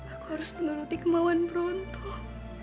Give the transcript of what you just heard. aku harus menoloti kemauan berontoh